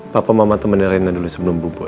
papa mama temenan rena dulu sebelum bu bu ya